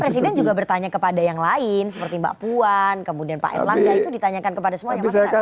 karena presiden juga bertanya kepada yang lain seperti mbak puan kemudian pak erlangga itu ditanyakan kepada semua yang masih gak banyak kepasan